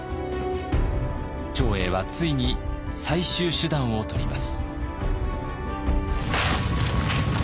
長英はついに最終手段をとります。